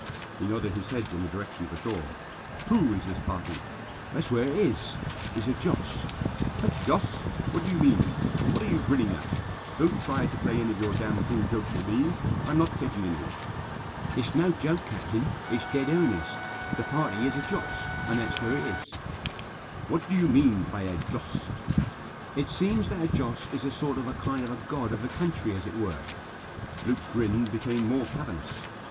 He nodded his head in the direction of the shore. " Who is this party?" " That's where it is ; he's a Joss." "A Joss? What do you mean? What are you grinning at ? Don't try to play any of your damfool jokes with me, I'm not taking any." "It's no joke, captain; it's dead earnest The party is a Joss, and that's where it is." " What do you mean by a Joss ?"" It seems that a Joss is a sort of a kind of a god of the country, as it were." Luke's grin became more cavernous.